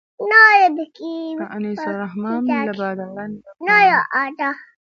انیس الرحمن له باډرلاین وېبپاڼې.